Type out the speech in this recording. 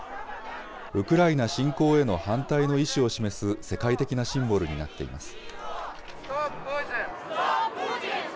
ウクライナ侵攻への反対の意思を示す世界的なシンボルになっています。